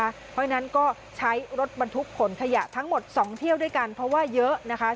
เพราะฉะนั้นก็ใช้รถบรรทุกขนขยะทั้งหมด๒เที่ยวด้วยกันเพราะว่าเยอะนะคะ